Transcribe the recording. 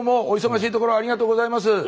お忙しいところありがとうございます。